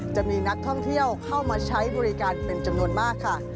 จะมีนักท่องเที่ยวเข้ามาใช้บริการเป็นจำนวนมากค่ะ